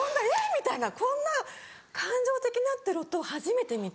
みたいなこんな感情的になってる夫を初めて見て。